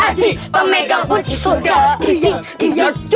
assalamu'alaikum warahmatullahi wabarakatuh